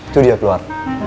itu dia keluar